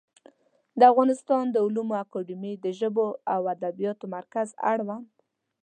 د افغانستان د علومو اکاډمي د ژبو او ادبیاتو مرکز اړوند